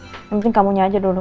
yang penting kamu aja dulu